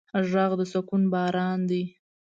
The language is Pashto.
غږ د سکون باران دی